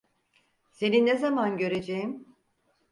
Seni ne zaman göreceğim?